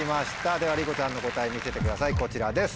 ではりこちゃんの答え見せてくださいこちらです。